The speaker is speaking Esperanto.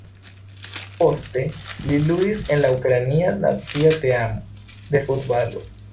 Poste li ludis en la Ukraina nacia teamo de futbalo.